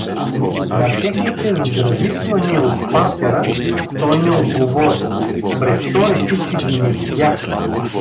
На техните здрависвания от партера той не отговори: престори се, че ги не видя.